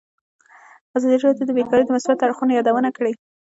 ازادي راډیو د بیکاري د مثبتو اړخونو یادونه کړې.